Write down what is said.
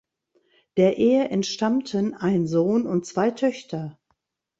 Der Ehe entstammten ein Sohn und zwei Töchter.